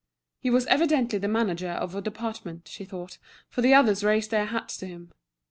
He was evidently the manager of a department, she thought, for the others raised their hats to him.